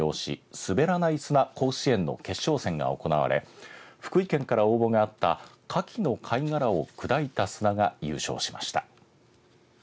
すべらない砂甲子園の決勝が行われ福井県から応募があったかきの貝殻を砕いた砂が優勝しました。